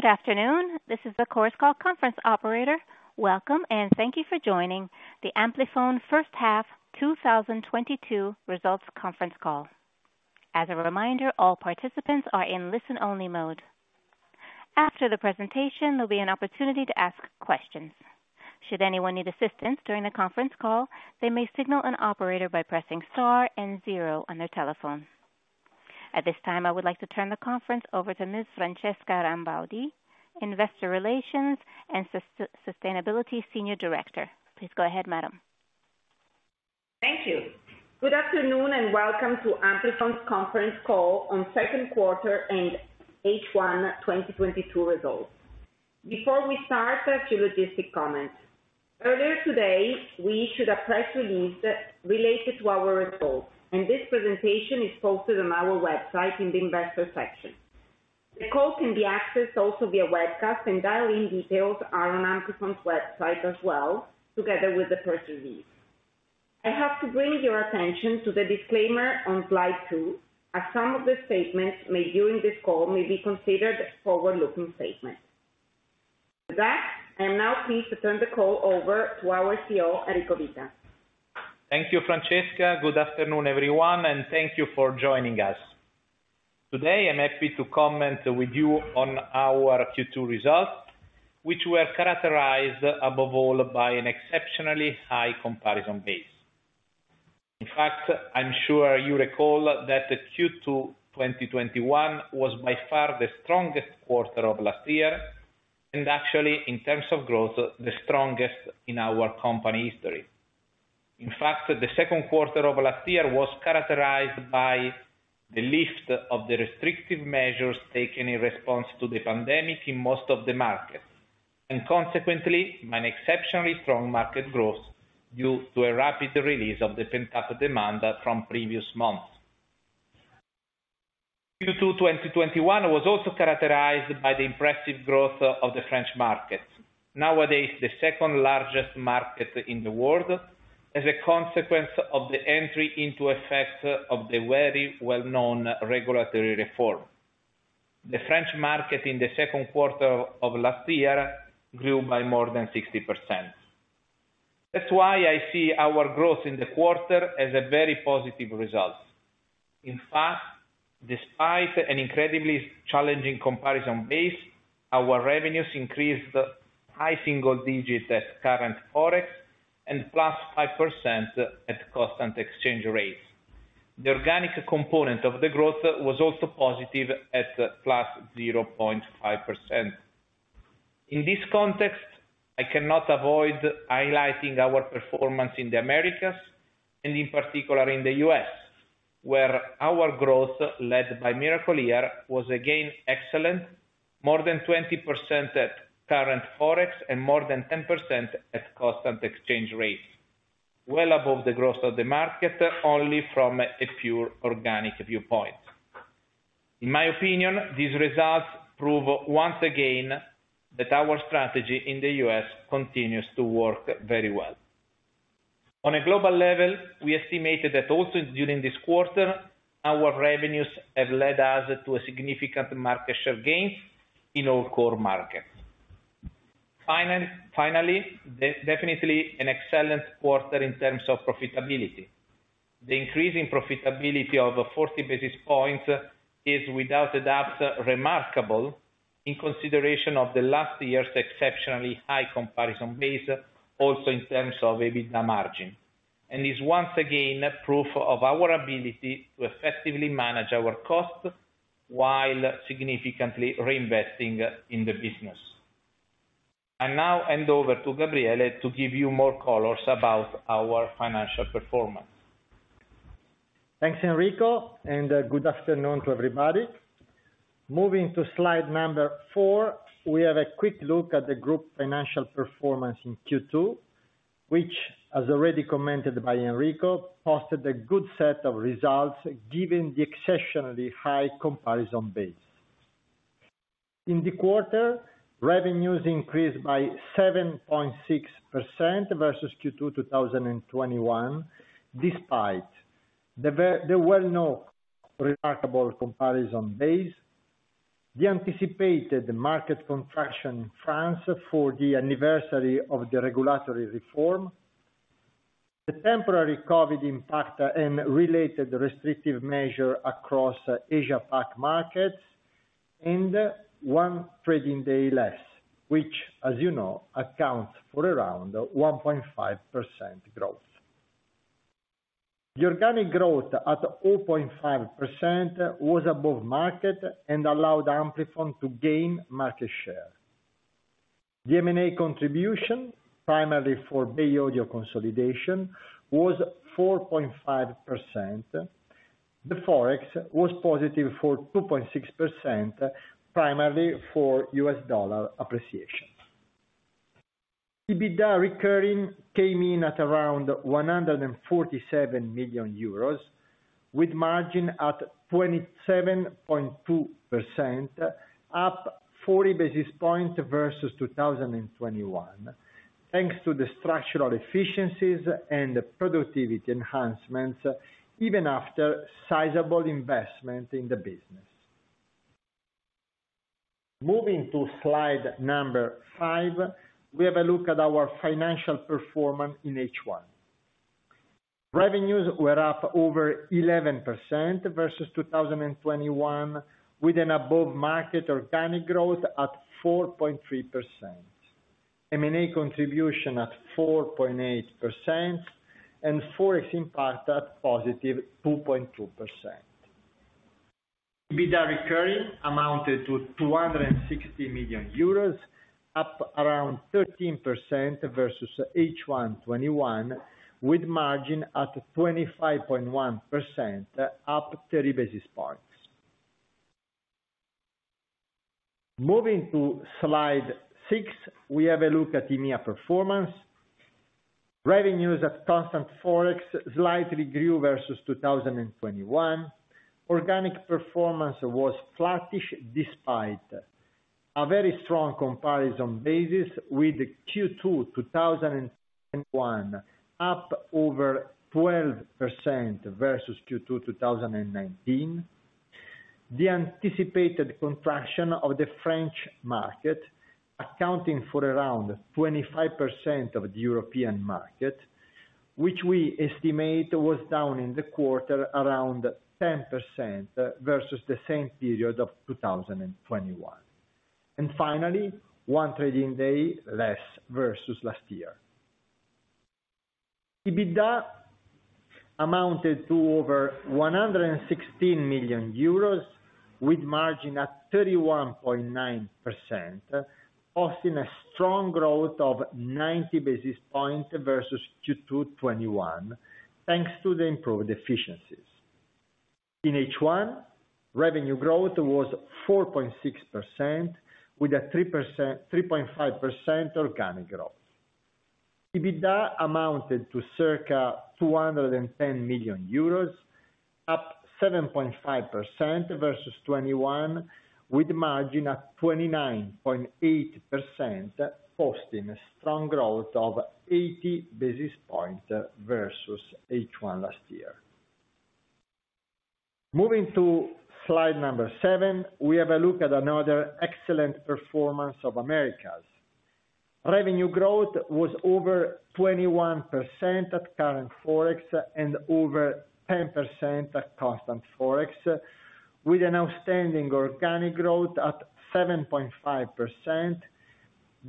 Good afternoon. This is the Chorus Call conference operator. Welcome, and thank you for joining the Amplifon H1 2022 results conference call. As a reminder, all participants are in listen-only mode. After the presentation, there'll be an opportunity to ask questions. Should anyone need assistance during the conference call, they may signal an operator by pressing star and zero on their telephone. At this time, I would like to turn the conference over to Ms. Francesca Rambaudi, Investor Relations and Sustainability Senior Director. Please go ahead, madam. Thank you. Good afternoon, and welcome to Amplifon's conference call on Q2 and H1 2022 results. Before we start, a few logistic comments. Earlier today, we issued a press release related to our results, and this presentation is posted on our website in the investor section. The call can be accessed also via webcast, and dial-in details are on Amplifon's website as well together with the press release. I have to bring your attention to the disclaimer on slide 2, as some of the statements made during this call may be considered forward-looking statements. With that, I am now pleased to turn the call over to our CEO, Enrico Vita. Thank you, Francesca. Good afternoon, everyone, and thank you for joining us. Today I'm happy to comment with you on our Q2 results, which were characterized above all by an exceptionally high comparison base. In fact, I'm sure you recall that the Q2 2021 was by far the strongest quarter of last year, and actually in terms of growth, the strongest in our company history. In fact, the Q2 of last year was characterized by the lift of the restrictive measures taken in response to the pandemic in most of the markets, and consequently an exceptionally strong market growth due to a rapid release of the pent-up demand from previous months. Q2 2021 was also characterized by the impressive growth of the French market, nowadays the second largest market in the world as a consequence of the entry into effect of the very well-known regulatory reform. The French market in the Q2 of last year grew by more than 60%. That's why I see our growth in the quarter as a very positive result. In fact, despite an incredibly challenging comparison base, our revenues increased high single digits at current Forex and +5% at constant exchange rates. The organic component of the growth was also positive at +0.5%. In this context, I cannot avoid highlighting our performance in the Americas and in particular in the U.S., where our growth led by Miracle-Ear was again excellent, more than 20% at current Forex and more than 10% at constant exchange rates, well above the growth of the market only from a pure organic viewpoint. In my opinion, these results prove once again that our strategy in the U.S. continues to work very well. On a global level, we estimated that also during this quarter, our revenues have led us to a significant market share gains in all core markets. Finally, definitely an excellent quarter in terms of profitability. The increase in profitability of 40 basis points is without a doubt remarkable in consideration of the last year's exceptionally high comparison base, also in terms of EBITDA margin, and is once again proof of our ability to effectively manage our costs while significantly reinvesting in the business. I now hand over to Gabriele to give you more colors about our financial performance. Thanks, Enrico, and good afternoon to everybody. Moving to slide number 4, we have a quick look at the group financial performance in Q2, which as already commented by Enrico, posted a good set of results given the exceptionally high comparison base. In the quarter, revenues increased by 7.6% versus Q2 2021, despite the well-known remarkable comparison base, the anticipated market contraction in France for the anniversary of the regulatory reform, the temporary COVID impact and related restrictive measure across Asia Pac markets, and one trading day less, which as you know, accounts for around 1.5% growth. The organic growth at 0.5% was above market and allowed Amplifon to gain market share. The M&A contribution, primarily for Bay Audio consolidation, was 4.5%. The Forex was positive for 2.6%, primarily for US dollar appreciation. EBITDA recurring came in at around 147 million euros with margin at 27.2%, up 40 basis points versus 2021, thanks to the structural efficiencies and the productivity enhancements even after sizable investment in the business. Moving to slide 5, we have a look at our financial performance in H1. Revenues were up over 11% versus 2021, with an above market organic growth at 4.3%. M&A contribution at 4.8%, and Forex impact at positive 2.2%. EBITDA recurring amounted to 260 million euros, up around 13% versus H1 2021, with margin at 25.1%, up 30 basis points. Moving to slide 6, we have a look at EMEA performance. Revenues at constant Forex slightly grew versus 2021. Organic performance was flattish despite a very strong comparison basis with Q2 2021, up over 12% versus Q2 2019. The anticipated contraction of the French market, accounting for around 25% of the European market, which we estimate was down in the quarter around 10% versus the same period of 2021. Finally, one trading day less versus last year. EBITDA amounted to over 116 million euros with margin at 31.9%, posting a strong growth of 90 basis points versus Q2 2021, thanks to the improved efficiencies. In H1, revenue growth was 4.6% with a 3%, 3.5% organic growth. EBITDA amounted to circa 210 million euros, up 7.5% versus 2021, with margin at 29.8%, posting a strong growth of 80 basis points versus H1 last year. Moving to slide number 7, we have a look at another excellent performance of Americas. Revenue growth was over 21% at current Forex and over 10% at constant Forex, with an outstanding organic growth at 7.5%,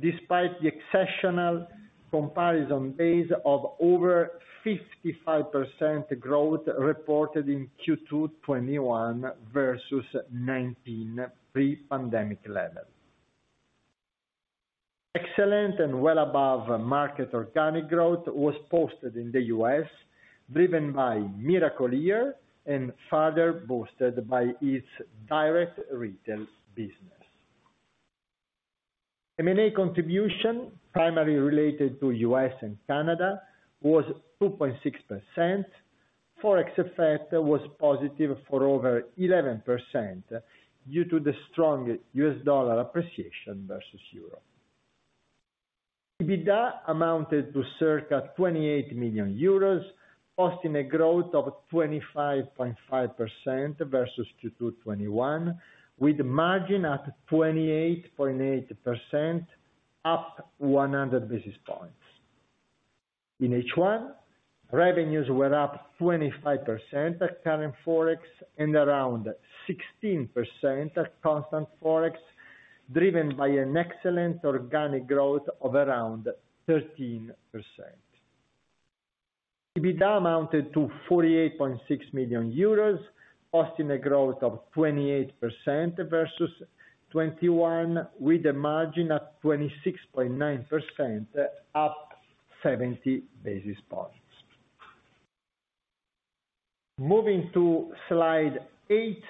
despite the exceptional comparison base of over 55% growth reported in Q2 2021 versus 2019 pre-pandemic levels. Excellent and well above market organic growth was posted in the U.S., driven by Miracle-Ear and further boosted by its direct retail business. M&A contribution, primarily related to U.S. and Canada, was 2.6%. Forex effect was positive for over 11% due to the strong U.S. dollar appreciation versus euro. EBITDA amounted to circa 28 million euros, posting a growth of 25.5% versus Q2 2021, with margin at 28.8%, up 100 basis points. In H1, revenues were up 25% at current Forex and around 16% at constant Forex, driven by an excellent organic growth of around 13%. EBITDA amounted to 48.6 million euros, posting a growth of 28% versus 2021, with the margin at 26.9%, up 70 basis points. Moving to slide eight,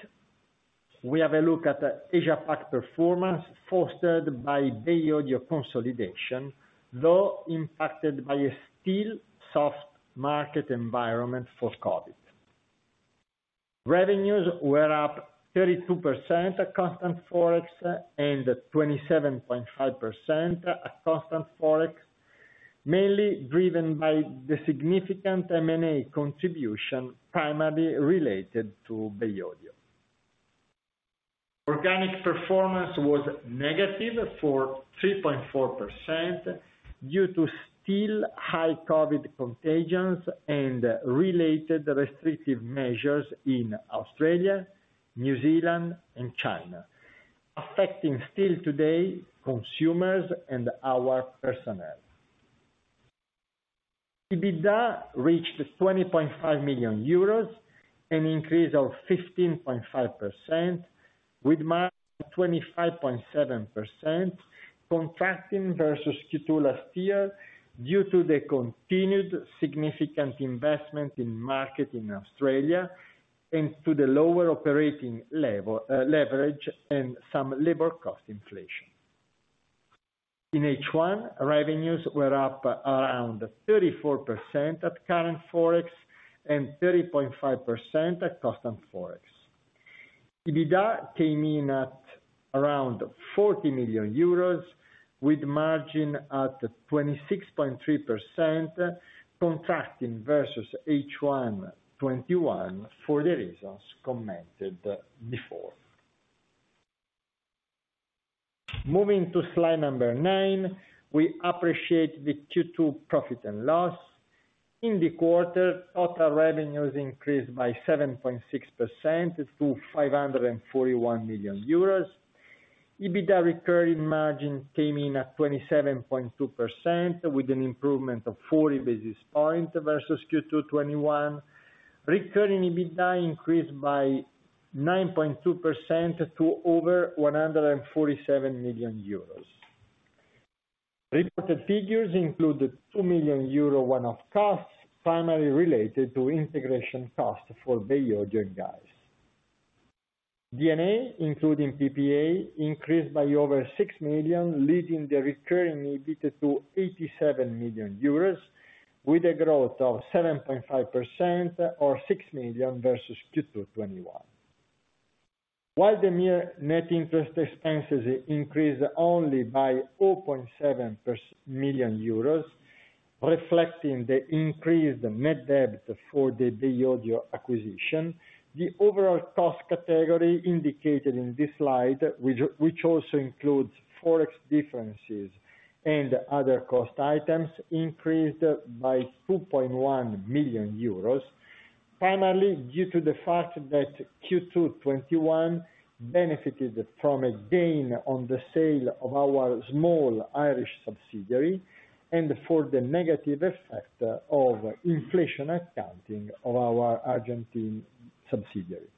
we have a look at Asia-Pac performance fostered by Bay Audio consolidation, though impacted by a still soft market environment from COVID. Revenues were up 32% at current Forex and at 27.5% at constant Forex, mainly driven by the significant M&A contribution primarily related to Bay Audio. Organic performance was negative for 3.4% due to still high COVID contagions and related restrictive measures in Australia, New Zealand and China, affecting still today, consumers and our personnel. EBITDA reached 20.5 million euros, an increase of 15.5% with margin at 25.7%, contracting versus Q2 last year due to the continued significant investment in market in Australia and to the lower operating level, leverage and some labor cost inflation. In H1, revenues were up around 34% at current Forex and 30.5% at constant Forex. EBITDA came in at around 40 million euros with margin at 26.3%, contracting versus H1 2021 for the reasons commented before. Moving to slide 9, we appreciate the Q2 profit and loss. In the quarter, total revenues increased by 7.6% to 541 million euros. EBITDA recurring margin came in at 27.2% with an improvement of 40 basis points versus Q2 2021. Recurring EBITDA increased by 9.2% to over 147 million euros. Reported figures include the 2 million euro one-off costs, primarily related to integration costs for Bay Audio. D&A, including PPA, increased by over 6 million, leading the recurring EBITDA to 87 million euros with a growth of 7.5% or 6 million versus Q2 2021. While the net interest expenses increased only by 4.7 million euros, reflecting the increased net debt for the Bay Audio acquisition, the overall cost category indicated in this slide, which also includes Forex differences and other cost items, increased by 2.1 million euros. Primarily due to the fact that Q2 2021 benefited from a gain on the sale of our small Irish subsidiary and for the negative effect of inflation accounting of our Argentine subsidiary.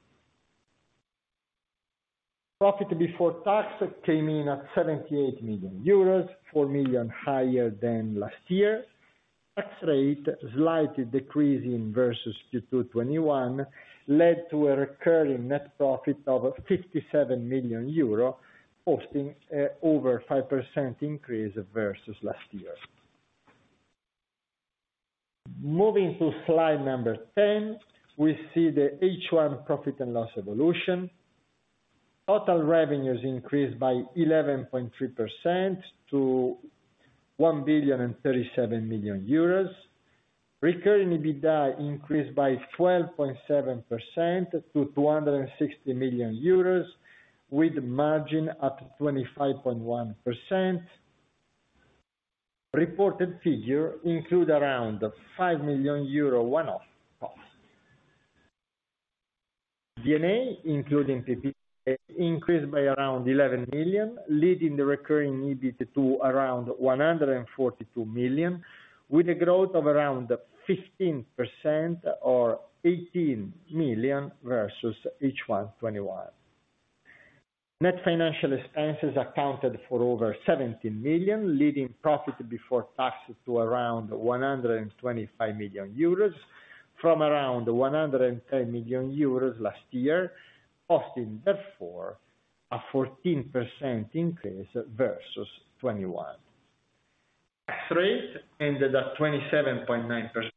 Profit before tax came in at 78 million euros, 4 million higher than last year. Tax rate slightly decreasing versus Q2 2021 led to a recurring net profit of 57 million euro, boasting over 5% increase versus last year. Moving to slide number 10, we see the H1 profit and loss evolution. Total revenues increased by 11.3% to 1,037 million euros. Recurring EBITDA increased by 12.7% to 260 million euros with margin up to 25.1%. Reported figures include around 5 million euro one-off costs. D&A, including PPA, increased by around 11 million, leading the recurring EBITDA to around 142 million, with a growth of around 15% or 18 million versus H1 2021. Net financial expenses accounted for over 17 million, leading profit before taxes to around 125 million euros from around 110 million euros last year, boasting therefore a 14% increase versus 2021. Tax rate ended at 27.9%,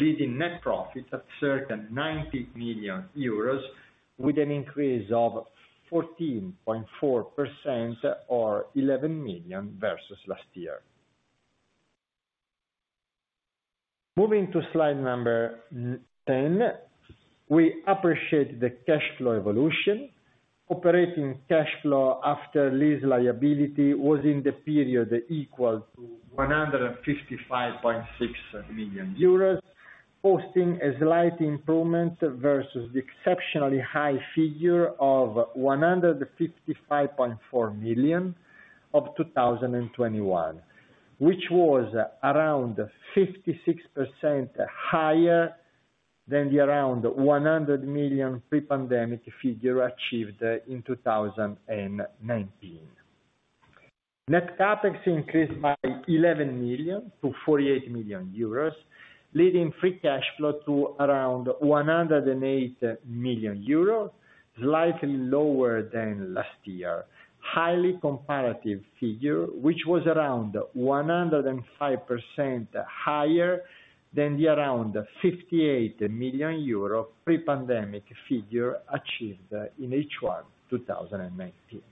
leading net profits of 39 million euros with an increase of 14.4% or 11 million versus last year. Moving to slide number 10, we appreciate the cash flow evolution. Operating cash flow after lease liability was in the period equal to 155.6 million euros, showing a slight improvement versus the exceptionally high figure of 155.4 million in 2021, which was around 56% higher than the around 100 million pre-pandemic figure achieved in 2019. Net CapEx increased by 11 million to 48 million euros, leading free cash flow to around 108 million euros, slightly lower than last year. Highly comparative figure, which was around 105% higher than the around 58 million euro pre-pandemic figure achieved in H1 2019.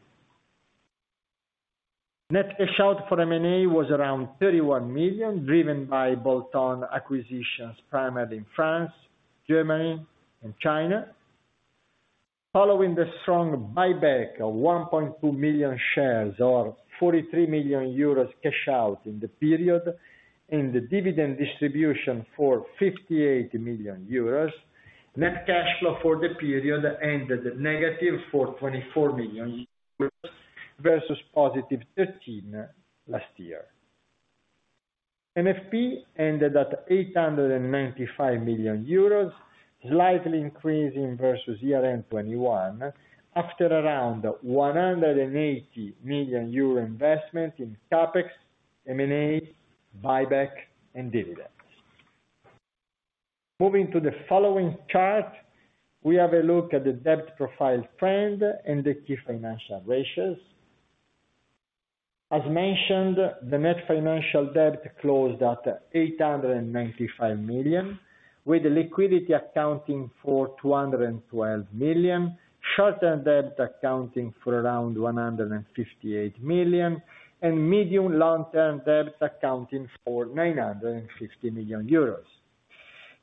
Net cash out for M&A was around 31 million, driven by bolt-on acquisitions, primarily in France, Germany, and China. Following the strong buyback of 1.2 million shares or 43 million euros cash out in the period, and the dividend distribution for 58 million euros, net cash flow for the period ended negative for 24 million euros versus positive 13 million last year. NFP ended at 895 million euros, slightly increasing versus year-end 2021, after around 180 million euro investment in CapEx, M&A, buyback, and dividends. Moving to the following chart, we have a look at the debt profile trend and the key financial ratios. As mentioned, the net financial debt closed at 895 million, with the liquidity accounting for 212 million, short-term debt accounting for around 158 million, and medium long-term debt accounting for 950 million euros.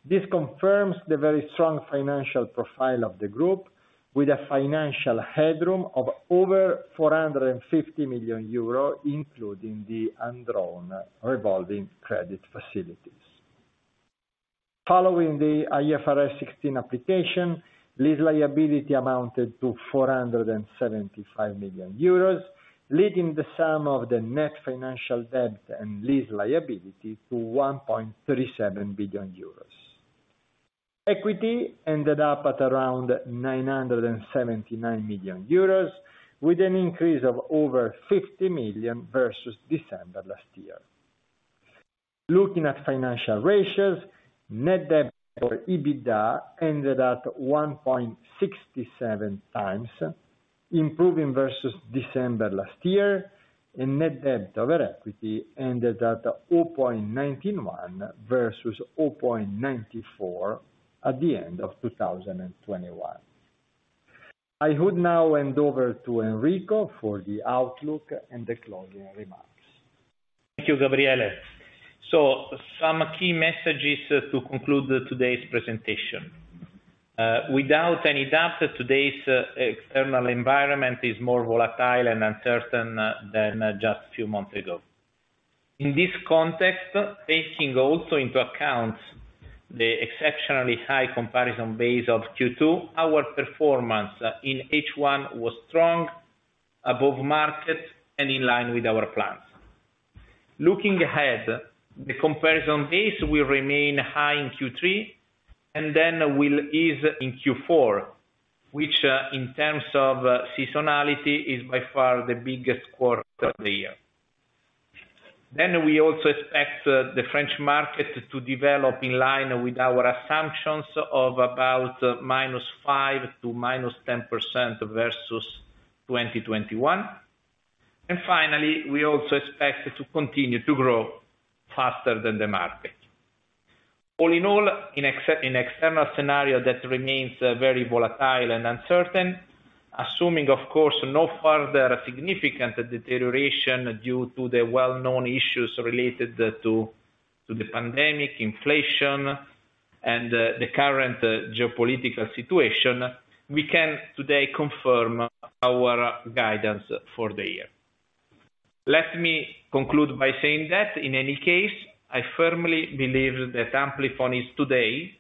This confirms the very strong financial profile of the group with a financial headroom of over 450 million euro, including the undrawn revolving credit facilities. Following the IFRS 16 application, lease liability amounted to 475 million euros, leading the sum of the net financial debt and lease liability to 1.37 billion euros. Equity ended up at around 979 million euros with an increase of over 50 million versus December last year. Looking at financial ratios, net debt to EBITDA ended at 1.67x, improving versus December last year, and net debt over equity ended at 0.91x versus 0.94x at the end of 2021. I would now hand over to Enrico for the outlook and the closing remarks. Thank you, Gabriele. Some key messages to conclude today's presentation. Without any doubt that today's external environment is more volatile and uncertain than just a few months ago. In this context, taking also into account the exceptionally high comparison base of Q2, our performance in H1 was strong, above market and in line with our plans. Looking ahead, the comparison base will remain high in Q3 and then will ease in Q4, which in terms of seasonality, is by far the biggest quarter of the year. We also expect the French market to develop in line with our assumptions of about -5% to -10% versus 2021. Finally, we also expect it to continue to grow faster than the market. All in all, in an external scenario that remains very volatile and uncertain, assuming of course, no further significant deterioration due to the well-known issues related to the pandemic, inflation and the current geopolitical situation, we can today confirm our guidance for the year. Let me conclude by saying that in any case, I firmly believe that Amplifon is today,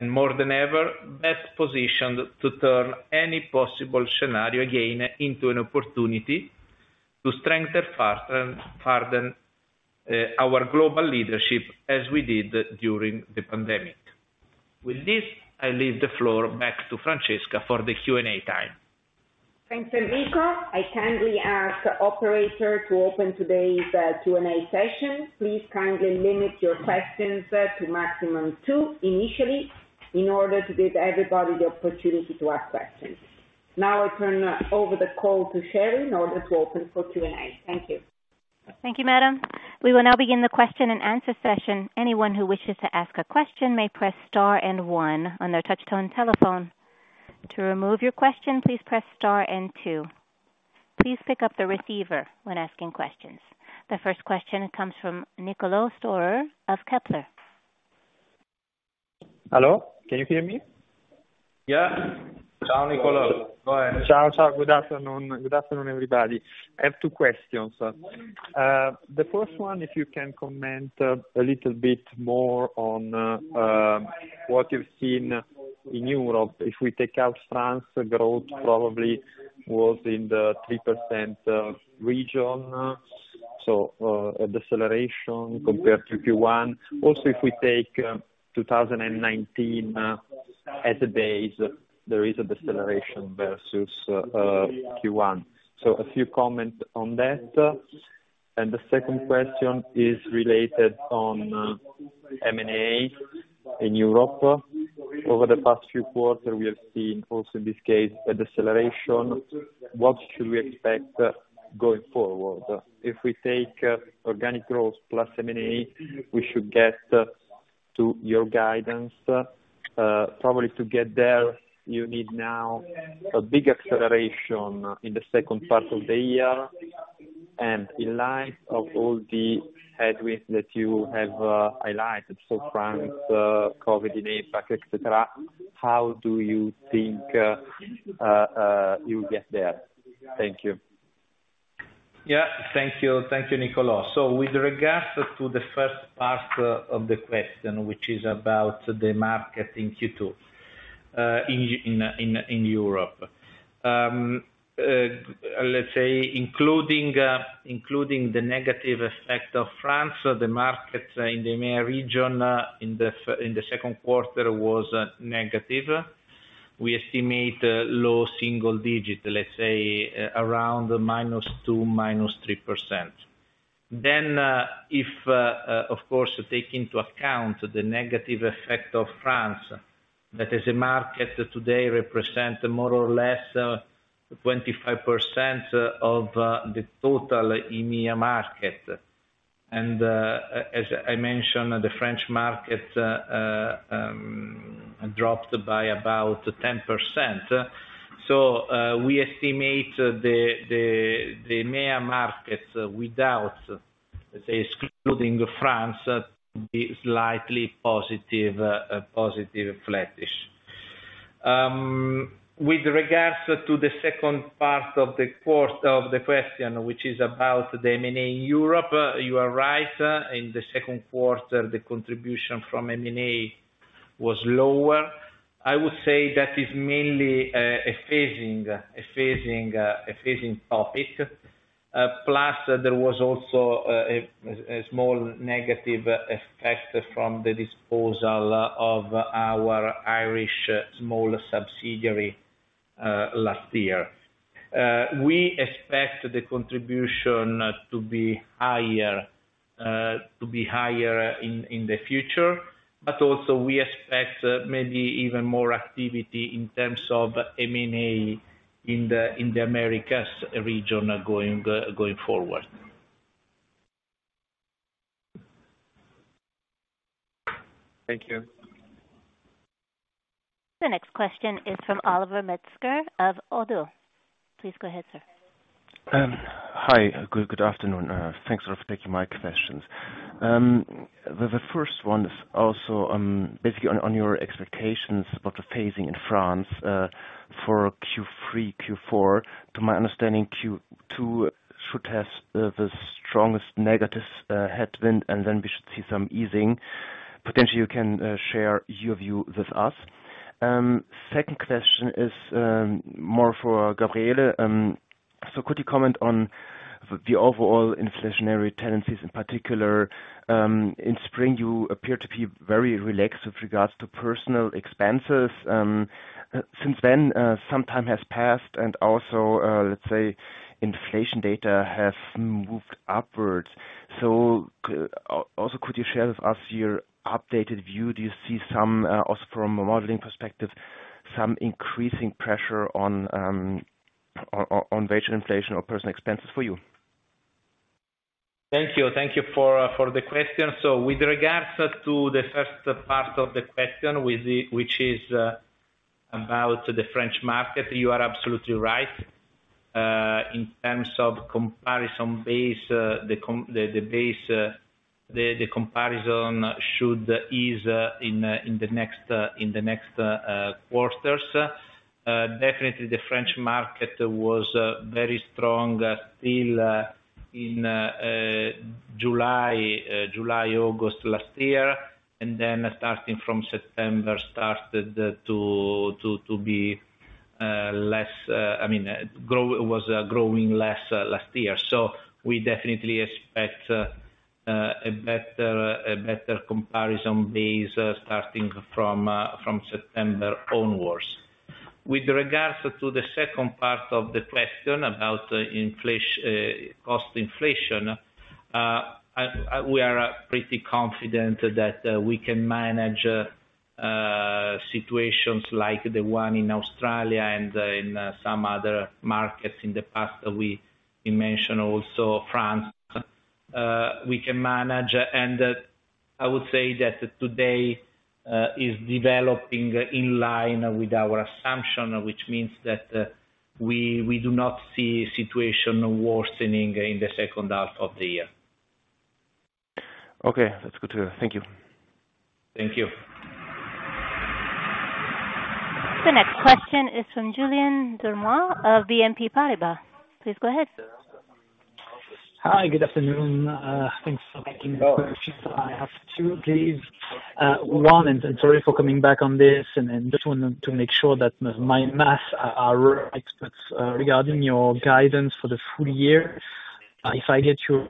and more than ever, best positioned to turn any possible scenario again into an opportunity to strengthen farther and farther our global leadership as we did during the pandemic. With this, I leave the floor back to Francesca for the Q&A time. Thanks, Enrico. I kindly ask operator to open today's Q&A session. Please kindly limit your questions to maximum two initially, in order to give everybody the opportunity to ask questions. Now I turn over the call to Sherry in order to open for Q&A. Thank you. Thank you, madam. We will now begin the question and answer session. Anyone who wishes to ask a question may press star and one on their touch tone telephone. To remove your question, please press star and two. Please pick up the receiver when asking questions. The first question comes from Niccolò Storer of Kepler. Hello, can you hear me? Yeah. Ciao, Niccolò. Go ahead. Ciao, ciao. Good afternoon. Good afternoon, everybody. I have two questions. The first one, if you can comment a little bit more on what you've seen in Europe. If we take out France growth probably was in the 3% region, so a deceleration compared to Q1. Also, if we take 2019 as a base, there is a deceleration versus Q1. So a few comments on that. The second question is related on M&A in Europe. Over the past few quarters, we have seen also in this case a deceleration. What should we expect going forward? If we take organic growth plus M&A, we should get to your guidance. Probably to get there, you need now a big acceleration in the second part of the year. In light of all the headwinds that you have highlighted for France, COVID impact, et cetera, how do you think you'll get there? Thank you. Yeah, thank you. Thank you, Niccolò. With regards to the first part of the question, which is about the market in Q2 in Europe. Let's say including the negative effect of France, the markets in the EMEA region in the Q2 was negative. We estimate low single digits, let's say around -2%, -3%. Of course, take into account the negative effect of France, that is a market that today represent more or less 25% of the total EMEA market. As I mentioned, the French market dropped by about 10%. We estimate the main markets without, say, excluding France to be slightly positive flatish. With regards to the second part of your question, which is about the M&A in Europe. You are right, in the Q2, the contribution from M&A was lower. I would say that is mainly a phasing topic. Plus there was also a small negative effect from the disposal of our Irish small subsidiary last year. We expect the contribution to be higher in the future, but also we expect maybe even more activity in terms of M&A in the Americas region going forward. Thank you. The next question is from Oliver Metzger of Oddo. Please go ahead, sir. Hi. Good afternoon. Thanks for taking my questions. The first one is also basically on your expectations about the phasing in France for Q3, Q4. To my understanding, Q2 should have the strongest negative headwind, and then we should see some easing. Potentially you can share your view with us. Second question is more for Gabriele. Could you comment on the overall inflationary tendencies in particular? In spring you appear to be very relaxed with regards to personnel expenses. Since then some time has passed and also let's say inflation data has moved upwards. Also could you share with us your updated view? Do you see some also from a modeling perspective, some increasing pressure on wage inflation or personnel expenses for you? Thank you for the question. With regards to the first part of the question, which is about the French market, you are absolutely right. In terms of comparison base, the comparison should ease in the next quarters. Definitely the French market was very strong still in July, August last year. Then starting from September started to be less, I mean, growing less last year. We definitely expect a better comparison base starting from September onwards. With regards to the second part of the question about the cost inflation. We are pretty confident that we can manage situations like the one in Australia and in some other markets in the past. We mention also France, we can manage. I would say that today is developing in line with our assumption, which means that we do not see situation worsening in the H2 of the year. Okay. That's good to hear. Thank you. Thank you. The next question is from Julien Dormoy of BNP Paribas. Please go ahead. Hi. Good afternoon. Thanks for taking my questions. I have two, please. One, sorry for coming back on this and just wanted to make sure that my math are right. Regarding your guidance for the full year, if I get you-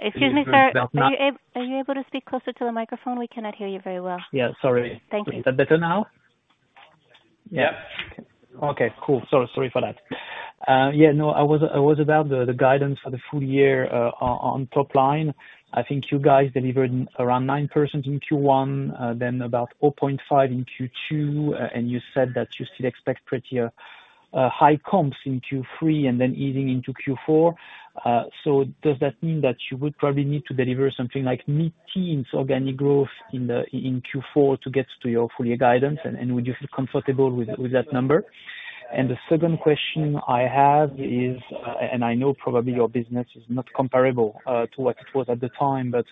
Excuse me, sir. Are you able to speak closer to the microphone? We cannot hear you very well. Yeah. Sorry. Thank you. Is that better now? Yeah. Okay, cool. Sorry for that. Yeah, no, I was about the guidance for the full year on top line. I think you guys delivered around 9% in Q1, then about 4.5% in Q2. You said that you still expect pretty high comps in Q3 and then easing into Q4. Does that mean that you would probably need to deliver something like mid-teens organic growth in Q4 to get to your full year guidance? Would you feel comfortable with that number? The second question I have is, and I know probably your business is not comparable to what it was at the time, but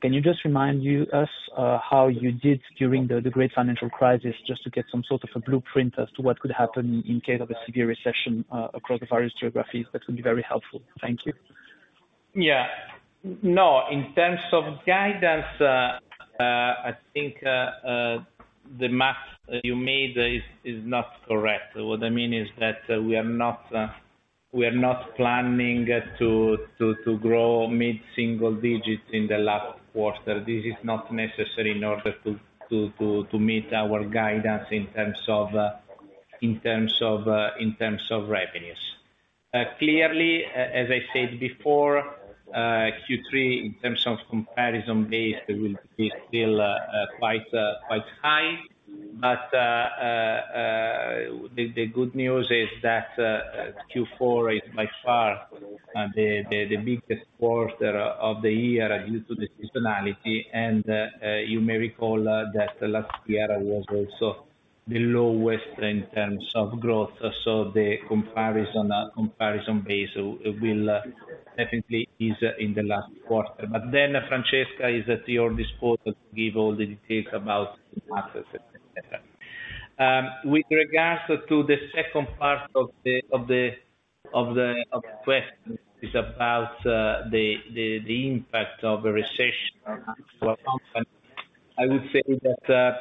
can you just remind us how you did during the great financial crisis, just to get some sort of a blueprint as to what could happen in case of a severe recession across the various geographies? That would be very helpful. Thank you. Yeah. No, in terms of guidance, I think the math you made is not correct. What I mean is that we are not planning to grow mid-single digits in the last quarter. This is not necessary in order to meet our guidance in terms of revenues. Clearly, as I said before, Q3, in terms of comparison base, will be still quite high. The good news is that Q4 is by far the biggest quarter of the year due to the seasonality. You may recall that last year was also the lowest in terms of growth. The comparison base will definitely ease in the last quarter. Francesca is at your disposal to give all the details. With regards to the second part of the question is about the impact of a recession on Amplifon. I would say that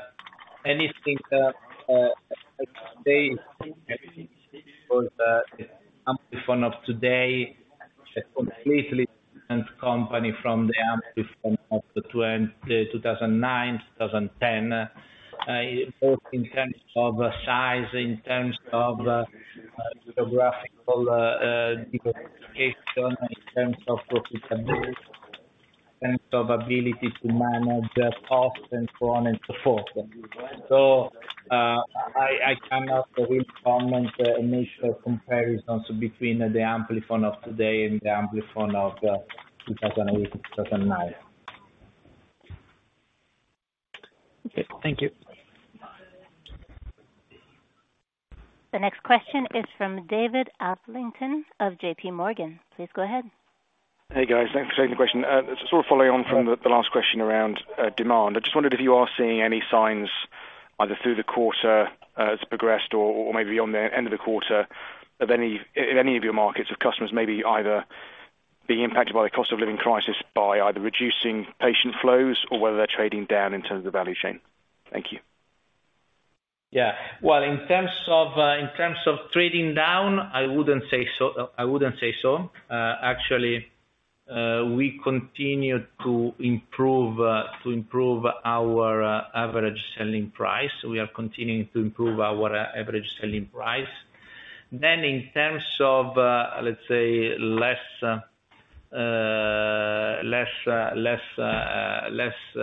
anything today for the Amplifon of today, a completely different company from the Amplifon of 2009, 2010. Both in terms of size, in terms of geographical diversification, in terms of profitability, in terms of ability to manage costs and so on and so forth. I cannot really comment initial comparisons between the Amplifon of today and the Amplifon of 2008, 2009. Okay. Thank you. The next question is from David Adlington of JPMorgan. Please go ahead. Hey, guys. Thanks for taking the question. Sort of following on from the last question around demand. I just wondered if you are seeing any signs either through the quarter, as it's progressed or maybe on the end of the quarter of any in any of your markets of customers maybe either being impacted by the cost of living crisis by either reducing patient flows or whether they're trading down in terms of the value chain? Thank you. Yeah. Well, in terms of trading down, I wouldn't say so. Actually, we continue to improve our average selling price. We are continuing to improve our average selling price. In terms of less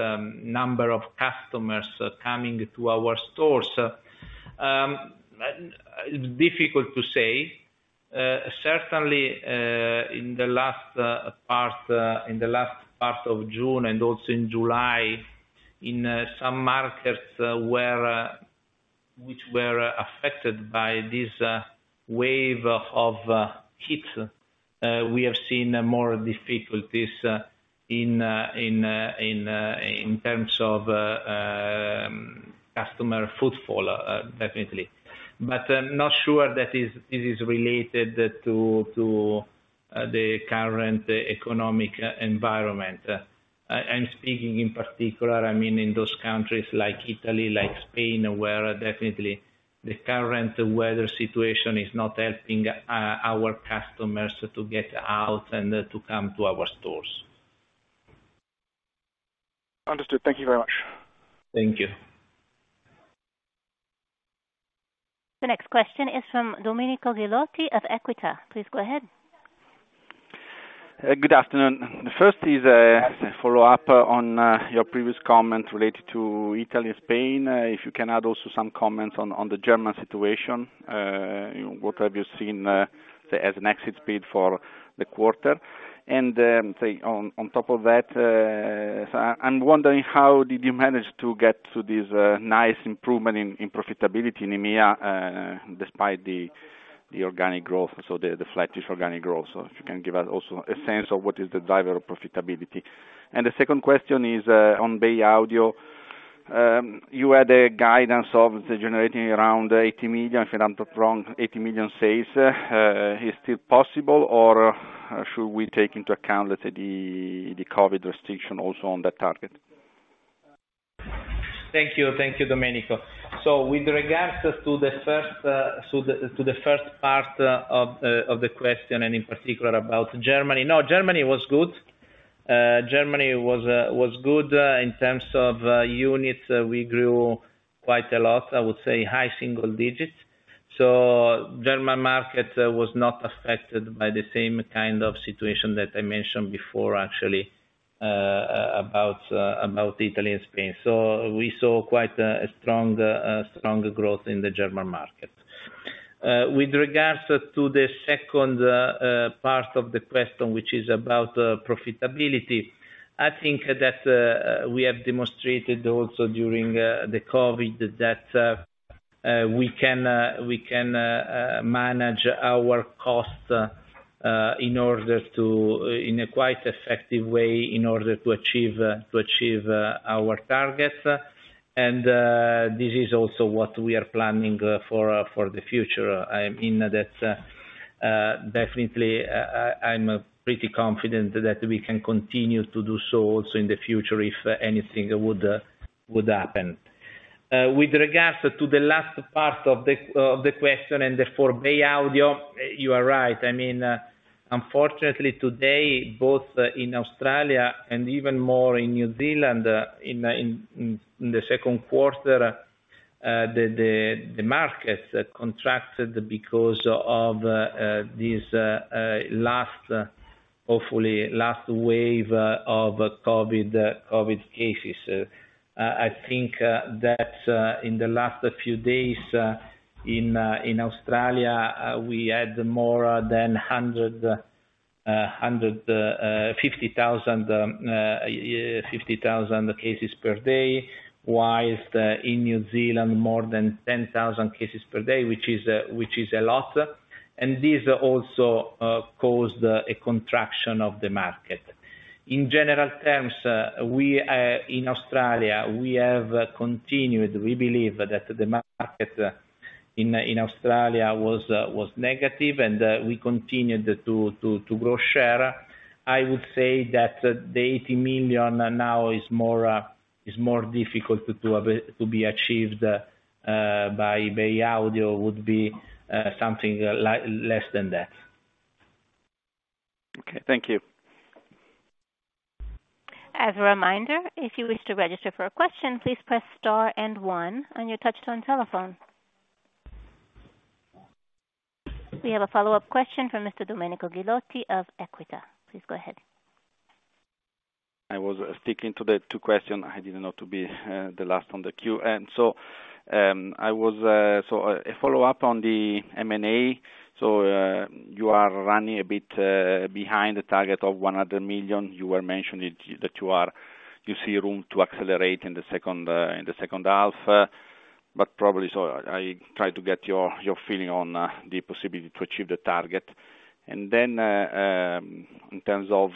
number of customers coming to our stores, it's difficult to say. Certainly, in the last part of June and also in July, in some markets which were affected by this wave of heat, we have seen more difficulties in terms of customer footfall, definitely. I'm not sure that this is related to the current economic environment. I'm speaking in particular, I mean, in those countries like Italy, like Spain, where definitely the current weather situation is not helping our customers to get out and to come to our stores. Understood. Thank you very much. Thank you. The next question is from Domenico Ghilotti of Equita. Please go ahead. Good afternoon. The first is a follow-up on your previous comment related to Italy and Spain. If you can add also some comments on the German situation. What have you seen as an exit speed for the quarter? On top of that, I'm wondering how did you manage to get to this nice improvement in profitability in EMEA despite the organic growth, so the flattish organic growth? If you can give us also a sense of what is the driver of profitability. The second question is on Bay Audio. You had a guidance of generating around 80 million, if I'm not wrong, 80 million sales. Is it still possible or should we take into account, let's say, the COVID restriction also on that target? Thank you. Thank you, Domenico. With regards to the first part of the question, and in particular about Germany. No, Germany was good. Germany was good in terms of units. We grew quite a lot, I would say high single digits. German market was not affected by the same kind of situation that I mentioned before, actually, about Italy and Spain. We saw quite a strong growth in the German market. With regards to the second part of the question, which is about profitability. I think that we have demonstrated also during the COVID that we can manage our costs in a quite effective way in order to achieve our targets. This is also what we are planning for the future. I mean, definitely, I'm pretty confident that we can continue to do so also in the future if anything would happen. With regards to the last part of the question and therefore Bay Audio, you are right. I mean, unfortunately, today both in Australia and even more in New Zealand in the Q2 the markets contracted because of this last, hopefully last wave of COVID cases. I think that in the last few days in Australia we had more than 150,000 cases per day. While in New Zealand more than 10,000 cases per day, which is a lot. This also caused a contraction of the market. In general terms, in Australia we have continued. We believe that the market in Australia was negative and we continued to grow share. I would say that the 80 million now is more difficult to be achieved by Bay Audio would be something less than that. Okay, thank you. As a reminder, if you wish to register for a question, please press star and one on your touchtone telephone. We have a follow-up question from Mr. Domenico Ghilotti of Equita. Please go ahead. I was sticking to the two questions. I didn't know I'd be the last in the queue. A follow-up on the M&A. You are running a bit behind the target of 100 million. You were mentioning it, that you see room to accelerate in the H2. But probably I try to get your feeling on the possibility to achieve the target. In terms of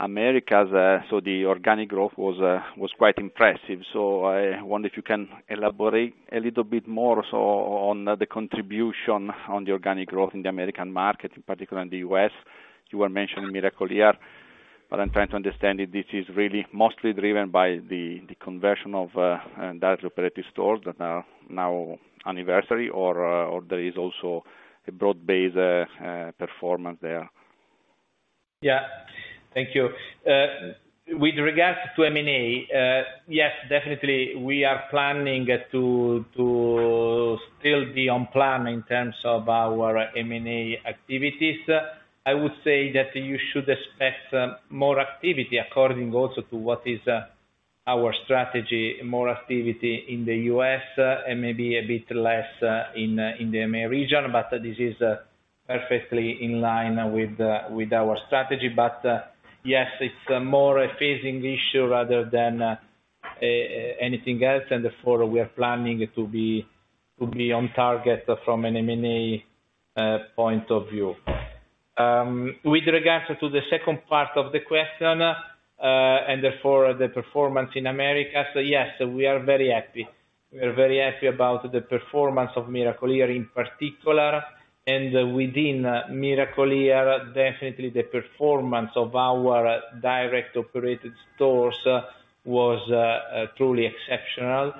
the Americas, the organic growth was quite impressive. I wonder if you can elaborate a little bit more on the contribution to the organic growth in the American market, in particular in the US. You were mentioning Miracle-Ear, but I'm trying to understand if this is really mostly driven by the conversion of direct operating stores that are now anniversary or there is also a broad-based performance there. Yeah. Thank you. With regards to M&A, yes, definitely we are planning to still be on plan in terms of our M&A activities. I would say that you should expect more activity according also to what is our strategy, more activity in the U.S., and maybe a bit less in the EMEA region. This is perfectly in line with our strategy. Yes, it's more a phasing issue rather than anything else. Therefore, we are planning to be on target from an M&A point of view. With regards to the second part of the question, and therefore the performance in America. Yes, we are very happy. We are very happy about the performance of Miracle-Ear in particular. Within Miracle-Ear, definitely the performance of our direct operated stores was truly exceptional.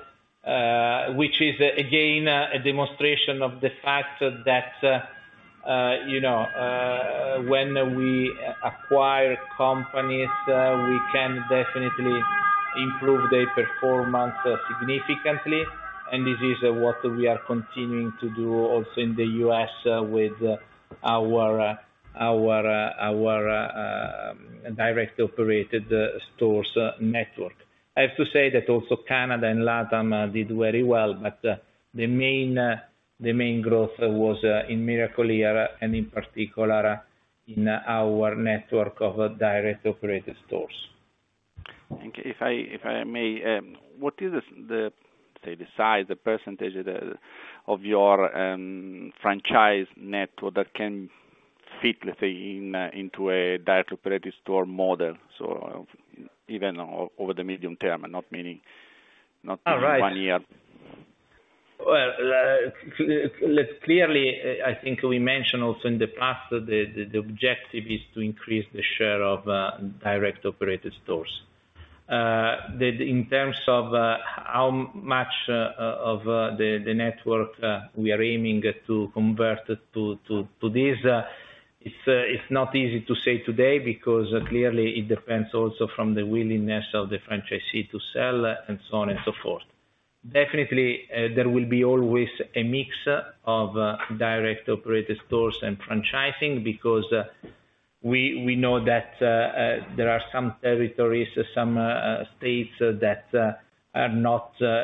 Which is again a demonstration of the fact that you know when we acquire companies we can definitely improve their performance significantly. This is what we are continuing to do also in the U.S. with our direct operated stores network. I have to say that also Canada and LATAM did very well, but the main growth was in Miracle-Ear and in particular in our network of direct operated stores. Thank you. If I may, what is, say, the size, the percentage of your franchise network that can fit, let's say, into a direct operated store model? Even over the medium term, not meaning, not- All right. One year. Clearly, I think we mentioned also in the past that the objective is to increase the share of direct operated stores. In terms of how much of the network we are aiming to convert to this, it's not easy to say today because clearly it depends also from the willingness of the franchisee to sell and so on and so forth. Definitely, there will be always a mix of direct operated stores and franchising because we know that there are some territories, some states that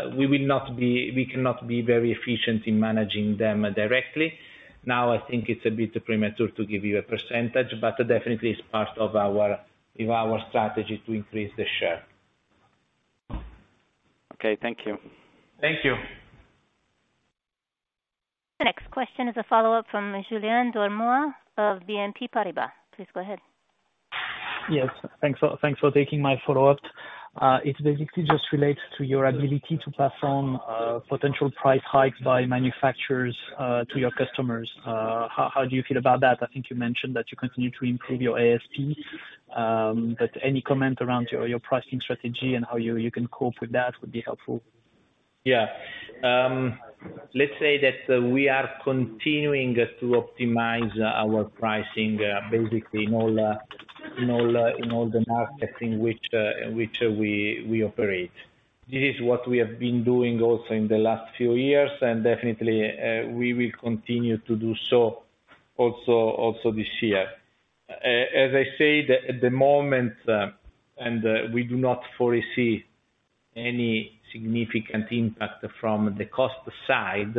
we cannot be very efficient in managing them directly. Now, I think it's a bit premature to give you a percentage, but definitely it's part of our strategy to increase the share. Okay. Thank you. Thank you. The next question is a follow-up from Julien Dormoy of BNP Paribas. Please go ahead. Yes, thanks for taking my follow-up. It basically just relates to your ability to pass on potential price hikes by manufacturers to your customers. How do you feel about that? I think you mentioned that you continue to improve your ASP. Any comment around your pricing strategy and how you can cope with that would be helpful. Yeah. Let's say that we are continuing to optimize our pricing, basically in all the markets in which we operate. This is what we have been doing also in the last few years, and definitely we will continue to do so also this year. As I said, at the moment, we do not foresee any significant impact from the cost side.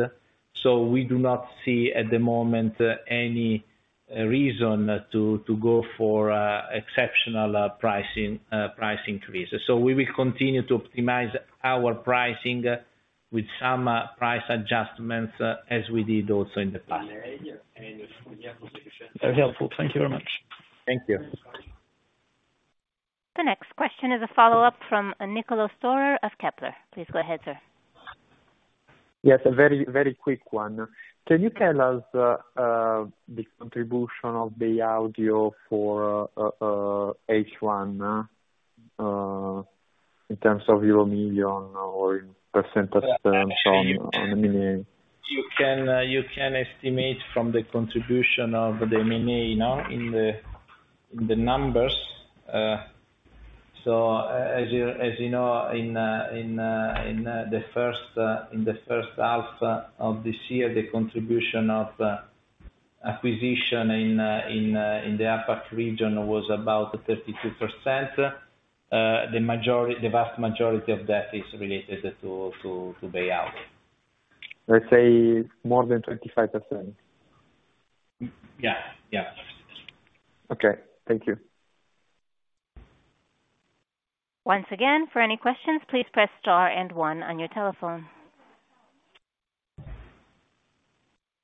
We do not see at the moment any reason to go for exceptional price increases. We will continue to optimize our pricing with some price adjustments as we did also in the past. Very helpful. Thank you very much. Thank you. The next question is a follow-up from Niccolò Storer of Kepler. Please go ahead, sir. Yes, a very, very quick one. Can you tell us the contribution of Bay Audio for H1 in terms of euro million or in percentage terms on the mini? You can estimate from the contribution of the M&A now in the numbers. As you know, in the H1 of this year, the contribution of acquisition in the APAC region was about 32%. The vast majority of that is related to Bay Audio. Let's say more than 25%? Yeah. Yeah. Okay. Thank you. Once again, for any questions, please press star and one on your telephone.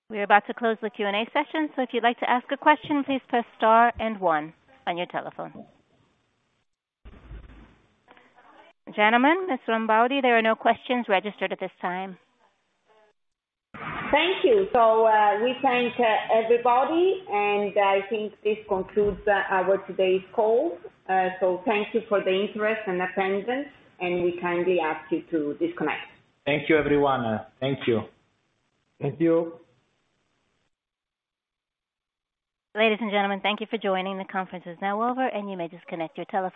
We are about to close the Q&A session, so if you'd like to ask a question, please press star and one on your telephone. Gentlemen, Ms. Rambaudi, there are no questions registered at this time. Thank you. We thank everybody, and I think this concludes our today's call. Thank you for the interest and attendance, and we kindly ask you to disconnect. Thank you, everyone. Thank you. Thank you. Ladies and gentlemen, thank you for joining. The conference is now over, and you may disconnect your telephones.